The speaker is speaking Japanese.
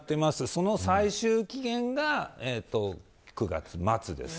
その最終期限が９月末です。